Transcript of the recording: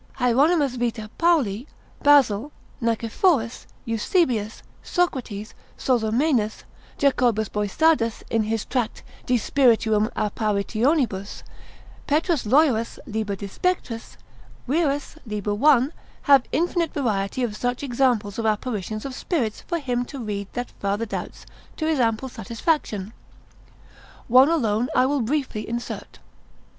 Hieronymus vita Pauli, Basil ser. 40, Nicephorus, Eusebius, Socrates, Sozomenus, Jacobus Boissardus in his tract de spirituum apparitionibus, Petrus Loyerus l. de spectris, Wierus l. 1. have infinite variety of such examples of apparitions of spirits, for him to read that farther doubts, to his ample satisfaction. One alone I will briefly insert.